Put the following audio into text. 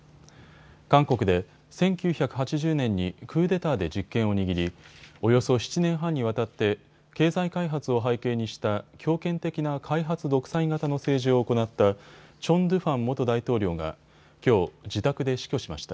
韓国で１９８０年にクーデターで実権を握り、およそ７年半にわたって経済開発を背景にした強権的な開発独裁型の政治を行ったチョン・ドゥファン元大統領がきょう、自宅で死去しました。